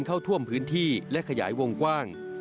เข้าท่วมพื้นที่และขยายวงกว้าง